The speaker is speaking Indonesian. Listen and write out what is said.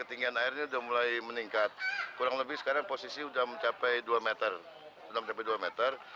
ketinggian air ini sudah mulai meningkat kurang lebih sekarang posisi sudah mencapai dua meter